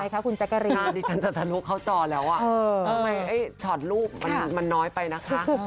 ลืมตัวดิฉันจะทะลุเขาจอแล้วอ่ะชอบลูกมันน้อยไปนะคะ